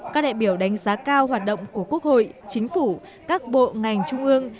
các đại biểu đánh giá cao hoạt động của quốc hội chính phủ các bộ ngành trung ương